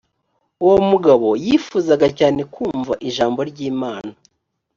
uwo mugabo yifuzaga cyane kumva ijambo ry imana